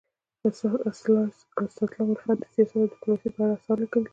اسدالله الفت د سیاست او ډيپلوماسی په اړه اثار لیکلي دي.